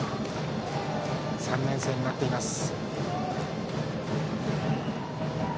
３年生になっています。